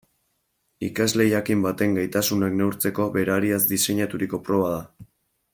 Ikasle jakin baten gaitasunak neurtzeko berariaz diseinaturiko proba da.